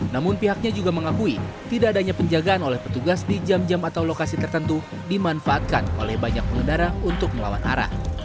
namun pihaknya juga mengakui tidak adanya penjagaan oleh petugas di jam jam atau lokasi tertentu dimanfaatkan oleh banyak pengendara untuk melawan arah